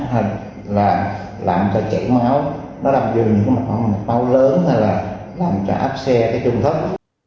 hay là làm cho chảy máu nó làm cho những cái mặt mặt bao lớn hay là làm cho áp xe cái trung thất